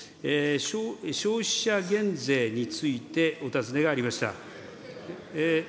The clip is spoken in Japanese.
消費者減税についてお尋ねがありました。